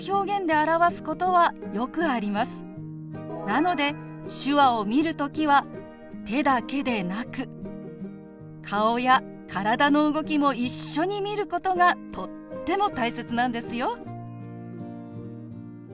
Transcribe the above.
なので手話を見る時は手だけでなく顔や体の動きも一緒に見ることがとっても大切なんですよ。